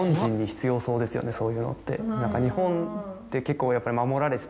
そういうのって。